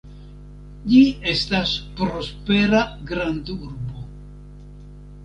Ĝi estas prospera grandurbo.